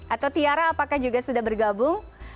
atau tiara apakah juga sudah bergabung